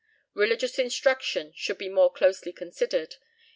Religious instruction should be more closely considered.